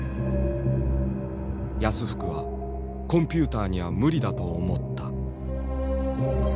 安福はコンピューターには無理だと思った。